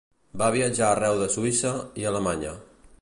Va viatjar arreu de Suïssa i Alemanya.